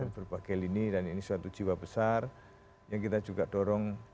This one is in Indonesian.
berbagai lini dan ini suatu jiwa besar yang kita juga dorong